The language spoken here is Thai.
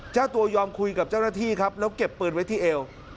เจ้าตัวยอมคุยกับเจ้าหน้าที่ครับแล้วเก็บปืนไว้ที่เอว